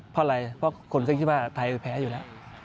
เพราะอะไรเพราะคนก็คิดว่าไทยแพ้อยู่แล้ว